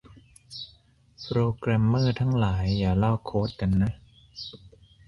โปรแกรมเมอร์ทั้งหลาย อย่าลอกโค้ดกันนะ